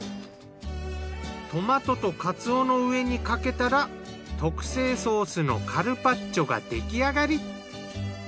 トマトとカツオの上にかけたら特製ソースのカルパッチョが出来上がり。